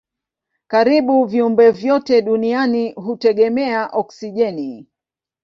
Karibu viumbe vyote duniani hutegemea oksijeni.